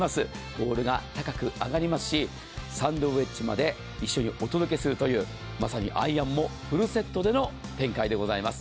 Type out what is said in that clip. ボールが高く上がりますし、サンドウエッジまで一緒にお届けするというまさにアイアンもフルセットでの展開でございます。